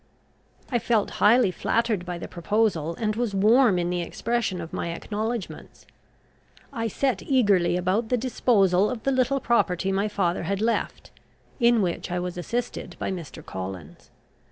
I felt highly flattered by the proposal, and was warm in the expression of my acknowledgments. I set eagerly about the disposal of the little property my father had left, in which I was assisted by Mr. Collins.